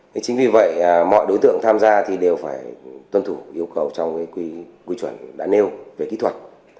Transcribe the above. thế chính vì vậy mọi đối tượng tham gia thì đều phải tuân thủ yêu cầu trong cái quy chuẩn đã nêu về kỹ thuật